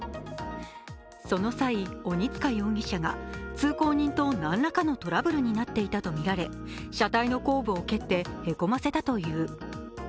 その際、鬼束容疑者と通行人と何らかのトラブルになっていたとみられ車体の後部を蹴ってへこませたという。